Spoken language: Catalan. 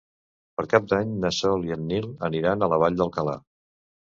Per Cap d'Any na Sol i en Nil aniran a la Vall d'Alcalà.